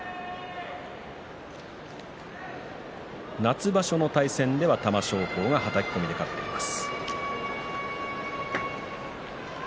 夏場所の対戦では玉正鳳がはたき込みで勝っています。